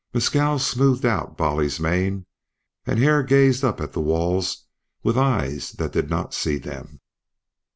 Mescal smoothed out Bolly's mane, and Hare gazed up at the walls with eyes that did not see them.